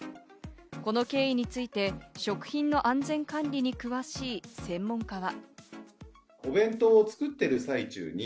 この経緯について、食品の安全管理に詳しい専門家は。